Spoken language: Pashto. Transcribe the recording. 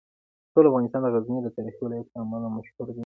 ټول افغانستان د غزني د تاریخي ولایت له امله مشهور دی.